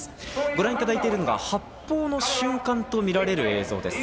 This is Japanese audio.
ご覧いただいているのが発砲の瞬間とみられる映像です。